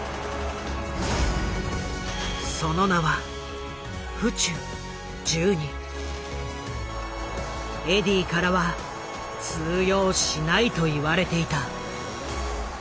その名はエディーからは通用しないと言われていた。